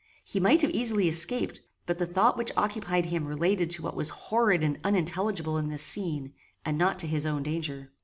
He might have easily escaped, but the thought which occupied him related to what was horrid and unintelligible in this scene, and not to his own danger.